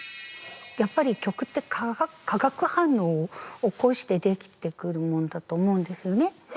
やっぱり曲って化学反応を起こして出来てくるもんだと思うんですよね。